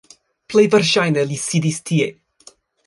Plej verŝajne li sidis tie